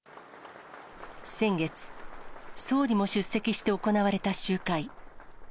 先月、総理も出席して行われた集会。